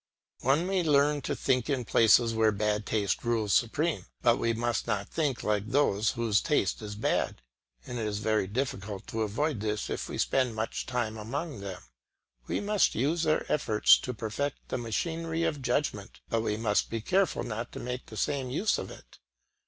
One may learn to think in places where bad taste rules supreme; but we must not think like those whose taste is bad, and it is very difficult to avoid this if we spend much time among them. We must use their efforts to perfect the machinery of judgment, but we must be careful not to make the same use of it.